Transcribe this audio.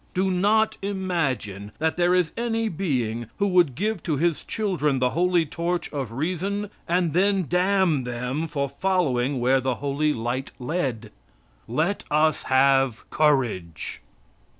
Do not imagine that there is any being who would give to his children the holy torch of reason and then damn them for following where the holy light led. Let us have courage.